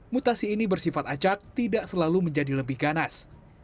mutasi ini bersifat acak tidak selalu menjadi lebih ganas